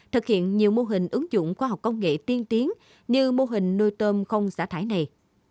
thực hiện nhiều mô hình ứng dụng khoa học công nghệ tiên tiến như mô hình nuôi tôm không xả thải này